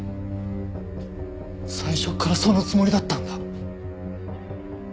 最初からそのつもりだったんだ！